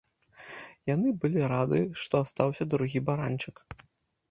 Яны былі рады, што астаўся другі баранчык.